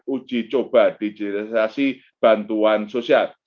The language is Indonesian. uji coba digitalisasi bantuan sosial